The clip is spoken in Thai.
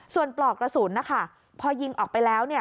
ส่วนปลอกกระสุนนะคะพอยิงออกไปแล้วเนี่ย